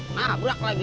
nah burak lagi